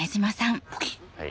はい。